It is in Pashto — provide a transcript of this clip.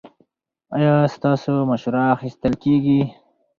ایا ستاسو مشوره اخیستل کیږي؟